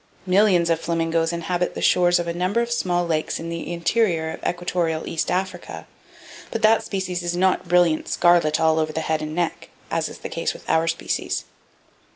Millions of flamingos inhabit the shores of a number of small lakes in the interior of equatorial East Africa, but that species is not brilliant scarlet all over the neck and head, as is the case with our species.